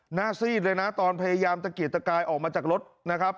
ซีดเลยนะตอนพยายามตะเกียกตะกายออกมาจากรถนะครับ